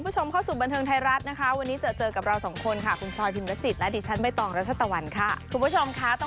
สวัสดีค่ะสวัสดีค่า